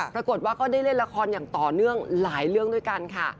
ก็ได้เล่นละครอย่างต่อเนื่องหลายเรื่องด้วยกันค่ะ